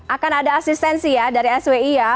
akan ada asistensi ya dari swi ya